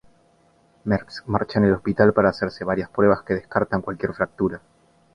Merckx marcha en el hospital para hacerse varias pruebas que descartan cualquier fractura.